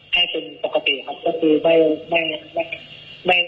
แค่เป็นปกติครับ